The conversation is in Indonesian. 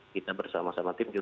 kita bersama sama tim